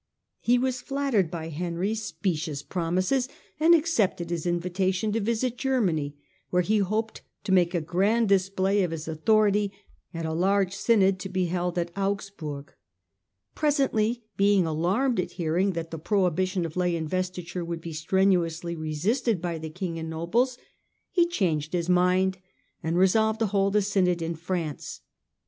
He was flattered by Henry's specious promises, and accepted his invitation to visit Germany, where he hoped to make a grand display of his authority at a large synod to be held at Augsburg, Presently, being alarmed at hearing that the prohibition of lay investiture would be strenuously resisted by the king and nobles, he <jhanged his mind, and resolved to hold a synod in France.